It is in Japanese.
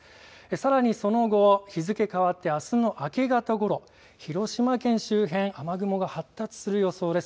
さらにその後、日付変わってあすの明け方ごろ、広島県周辺、雨雲が発達する予想です。